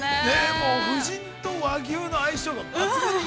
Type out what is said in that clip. ◆もう夫人と和牛の相性が抜群にいい。